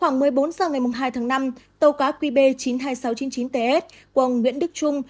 khoảng một mươi bốn h ngày hai tháng năm tàu cá qb chín mươi hai nghìn sáu trăm chín mươi chín ts của ông nguyễn đức trung